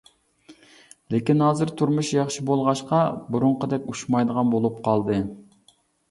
لېكىن ھازىر تۇرمۇشى ياخشى بولغاچقا، بۇرۇنقىدەك ئۇچمايدىغان بولۇپ قالدى.